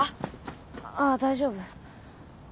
ああ大丈夫。